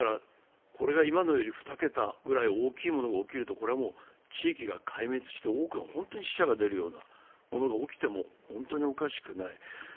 これが今のより２桁ぐらい大きいものが起きると地域が壊滅して、多くの死者が出るようなものが起きても本当におかしくない。